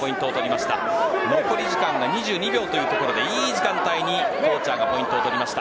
残り時間が２２秒でいい時間帯にコーチャーがポイントを取りました。